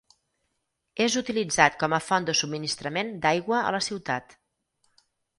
És utilitzat com a font de subministrament d'aigua a la ciutat.